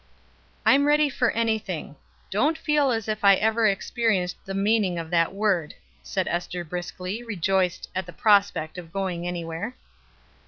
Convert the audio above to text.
"I'm ready for anything; don't feel as if I ever experienced the meaning of that word," said Ester briskly, rejoiced at the prospect of going anywhere.